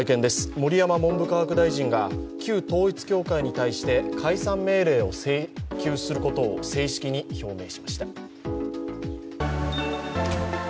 盛山文部科学大臣は旧統一教会に対して解散命令を請求することを正式に表明しました。